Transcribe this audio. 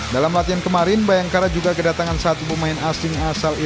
dalam latihan kemarin bayangkara juga kedatangan satu pemain asing asal indonesia